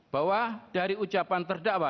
bahwa dari ucapan terdakwa